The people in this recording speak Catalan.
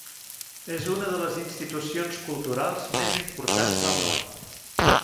És una de les institucions culturals més importants al món.